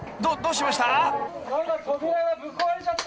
どっどうしました？］